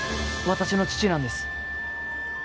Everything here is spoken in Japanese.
私の父なんです。